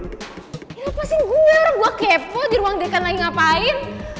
lepasin gue orang gue kepo di ruang dekan lagi ngapain